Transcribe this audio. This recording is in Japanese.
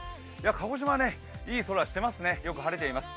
鹿児島はいい空してますねよく晴れています。